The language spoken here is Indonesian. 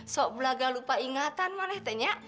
sok belaga lupa ingatan mana itu ya